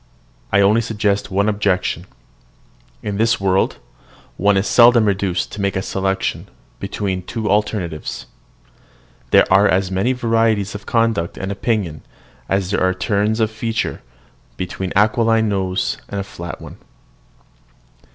I only suggest one objection. In this world one is seldom reduced to make a selection between two alternatives. There are as many varieties of conduct and opinion as there are turns of feature between an aquiline nose and a flat one.